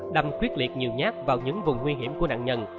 đâm quyết liệt nhiều nhát vào những vùng nguy hiểm của nạn nhân